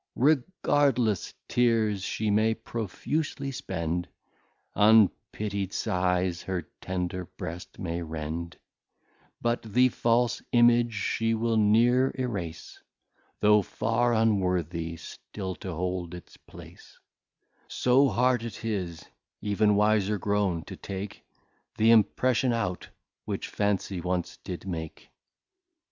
Regardless Tears she may profusely spend, Unpitty'd sighs her tender Breast may rend: But the false Image she will ne're erace, Though far unworthy still to hold its place: So hard it is, even Wiser grown, to take Th'Impression out, which Fancy once did make.